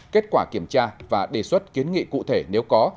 kết quả kiểm tra và đề xuất kiến nghị cụ thể nếu có